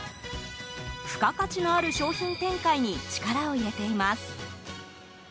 付加価値のある商品展開に力を入れています。